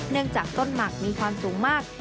เนื่องจากต้นหมากมีความสูงมาก